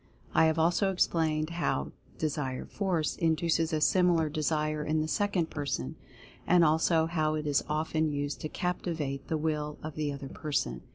I have also explained how Desire Force induces a similar Desire in the second person; and also how it is often used to captivate the Will of the other person.